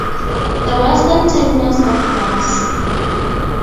The western terminus of Bus.